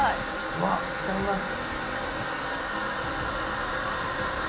うわっいただきます